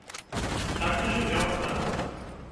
Так і жывём, брат.